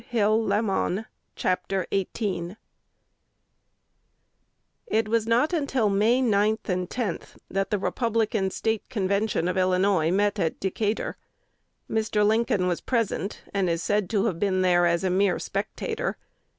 Amen to that!" CHAPTER XVIII IT was not until May 9 and 10 that the Republican State Convention of Illinois met at Decatur. Mr. Lincoln was present, and is said to have been there as a mere "spectator."